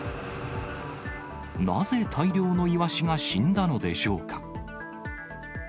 なぜ、大量のイワシが死んだのでしょうか。